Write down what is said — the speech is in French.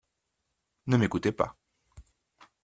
Ne m’écoutez pas.